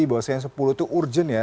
bahwa yang sepuluh itu urgent ya